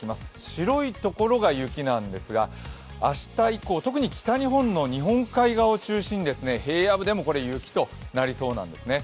白い所が雪なんですが、明日以降、特に北日本の日本海側を中心に平野部でも雪となりそうなんですね。